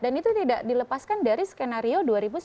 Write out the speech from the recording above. dan itu tidak dilepaskan dari skenario dua ribu sembilan belas